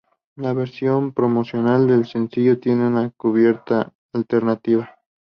La versión promocional del sencillo tiene una cubierta alternativa.